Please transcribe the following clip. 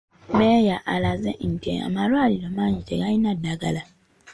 Meeya alaze nti amalwaliro mangi tegalina ddagala.